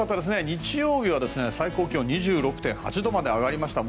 日曜日は最高気温が２６．８度まで上がりました。